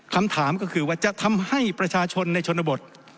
คำถามก็คือว่าจะทำให้ประชาชนในชนบท